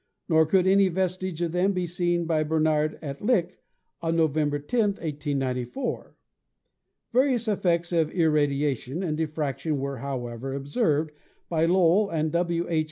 Nor could any vestige of them be seen by Barnard at Lick on November 10, 1894. Various effects of irradiation and diffraction were, however, observed by Lowell and W. H.